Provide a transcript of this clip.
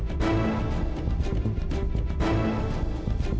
tapi gue juga gak akan